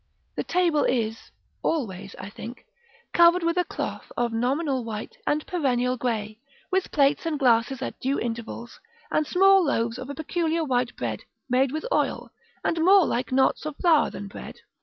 The table is (always, I think) covered with a cloth of nominal white and perennial grey, with plates and glasses at due intervals, and small loaves of a peculiar white bread, made with oil, and more like knots of flour than bread.